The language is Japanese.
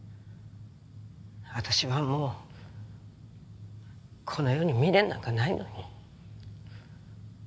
私はもうこの世に未練なんかないのに。